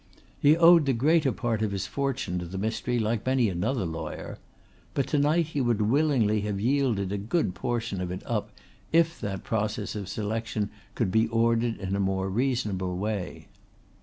He owed the greater part of his fortune to the mystery like many another lawyer. But to night he would willingly have yielded a good portion of it up if that process of selection could be ordered in a more reasonable way.